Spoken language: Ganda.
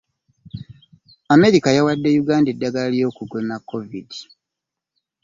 Amerika yawadde Uganda eddagala ly'okugema KOVID.